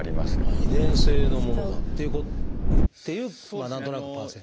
遺伝性のものだっていう何となくパーセンテージ。